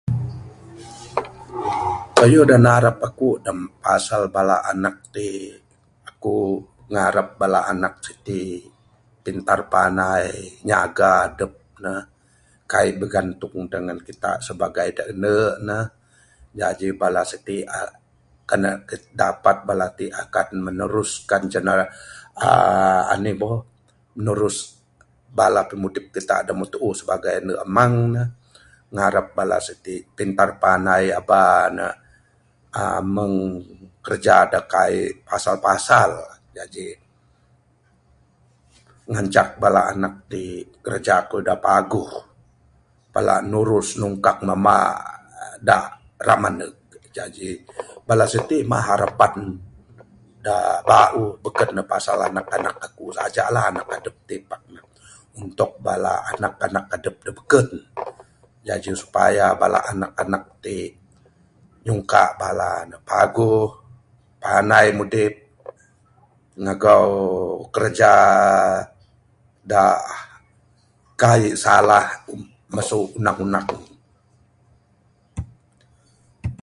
Kayuh da narap aku dak pasal bala anak ti, ku ngarap bala anak siti pintar panai nyaga adep ne. Kaik bigantung dangan kita sebagai da ande ne, jaji bala siti uhh kan ne dapat bala t akan meneruskan jena uhh anih boh nerus bala pimudip kita da meh tuuh sibagai ande amang ne. Ngarap bala siti pintar panai, aba ne uhh meng kerja da kaik pasal pasal. Jaji ngancak bala anak ti kiraja keyuh da paguh. Pala nurus nungkah mamba uhh da ra maneg. Jaji bala siti mah harapan da bauh. Beken ne pasal anak anak aku saja lah. Anak adep ti Pak ne untuk bala anak anak adep da beken. Jaji supaya bala anak anak ti nyungka bala ne paguh panai mudip ngagau kiraja da kaik salah masu undang undang.